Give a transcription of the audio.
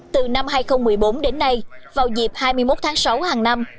từ năm hai nghìn một mươi bốn đến nay vào dịp hai mươi một tháng sáu hàng năm